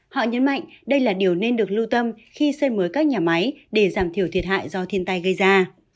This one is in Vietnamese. họ nhấn mạnh đây là điều nên được lưu tâm khi xây mới các nhà máy để giảm thiểu thiệt hại do thiên tai gây ra